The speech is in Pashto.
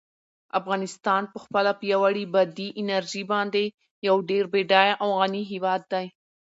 افغانستان په خپله پیاوړې بادي انرژي باندې یو ډېر بډای او غني هېواد دی.